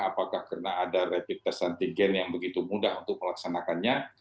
apakah karena ada rapid test antigen yang begitu mudah untuk melaksanakannya